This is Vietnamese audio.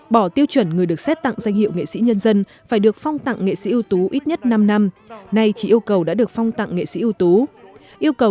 bỏ tiêu chuẩn người được xét tặng danh hiệu nghệ sĩ nhân dân phải được phong tặng nghệ sĩ ưu tú ít nhất năm năm nay chỉ yêu cầu đã được phong tặng nghệ sĩ ưu tú